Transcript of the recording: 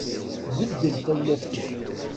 Beddel tawlaft-ik.